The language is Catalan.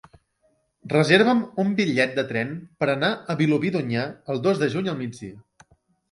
Reserva'm un bitllet de tren per anar a Vilobí d'Onyar el dos de juny al migdia.